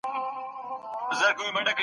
کله فریب ورکوونکي اعلانونه منع کیږي؟